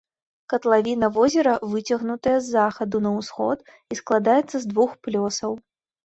Катлавіна возера выцягнутая з захаду на ўсход і складаецца з двух плёсаў.